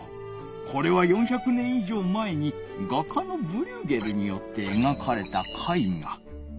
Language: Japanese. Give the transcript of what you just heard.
これは４００年いじょう前に画家のブリューゲルによってえがかれた絵画。